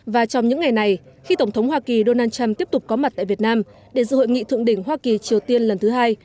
và trong những ngày này khi tổng thống hoa kỳ donald trump tiếp tục có mặt tại việt nam để dự hội nghị thượng đỉnh hoa kỳ triều tiên lần thứ hai